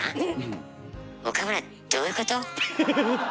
岡村どういうこと？